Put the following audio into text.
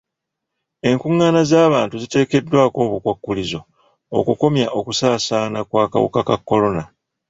Enkungaana z'abantu ziteekeddwako obukwakkulizo okukomya okusaasaana kw'akawuka ka kolona.